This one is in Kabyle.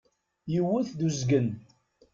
Yiwet d uzgen.